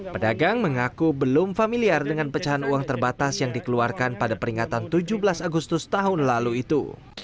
pedagang mengaku belum familiar dengan pecahan uang terbatas yang dikeluarkan pada peringatan tujuh belas agustus tahun lalu itu